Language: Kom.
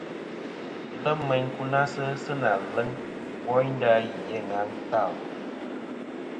Wù lem meyn nkunasɨ sɨ na leŋ woynda ghì a aŋena ntal.